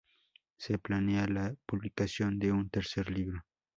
Se planea la publicación de un tercer libro.